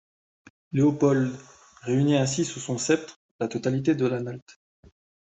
Léopold réunit ainsi sous son sceptre la totalité de l'Anhalt.